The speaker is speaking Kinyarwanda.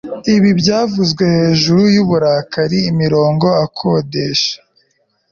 Ibi byavuzwe hejuru yuburakari imirongo akodesha